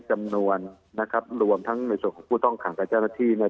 จำนวนนะครับรวมทั้งในส่วนของผู้ต้องขังกับเจ้าหน้าที่เนี่ย